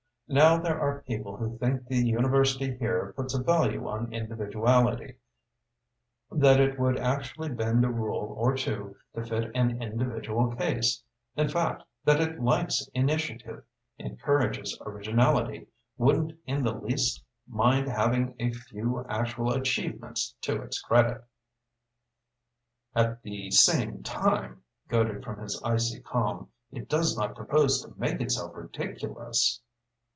Now there are people who think the university here puts a value on individuality, that it would actually bend a rule or two to fit an individual case, in fact that it likes initiative, encourages originality, wouldn't in the least mind having a few actual achievements to its credit." "At the same time," goaded from his icy calm "it does not propose to make itself ridiculous!"